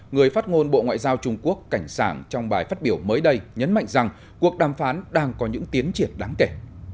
người phát ngôn bộ ngoại giao trung quốc cảnh sảng trong bài phát biểu mới đây nhấn mạnh rằng cuộc đàm phán đang có những tiến triển đáng kể